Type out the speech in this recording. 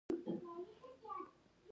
ژمی د افغانستان د طبعي سیسټم توازن ساتي.